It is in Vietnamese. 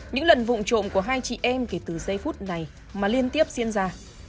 những lần vụ trộm của hai chị em kể từ giây phút này mà liên tiếp diễn ra